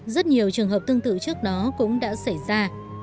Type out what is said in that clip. rất nhiều trường hợp tương tự trước đó cũng đã xảy ra